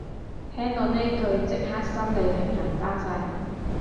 聽到呢句即刻心理平衡返晒